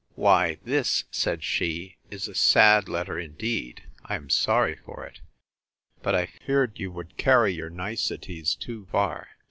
Why, this, said she, is a sad letter indeed: I am sorry for it: But I feared you would carry your niceties too far!